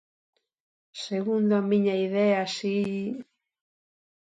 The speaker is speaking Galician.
Segundo a miña idea si...